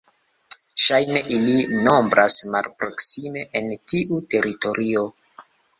Ŝajne ili nombras malproksime en tiu teritorio.